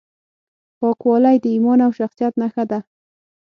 پاکوالی د ایمان او شخصیت نښه ده.